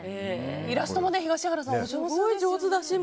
イラストも東原さん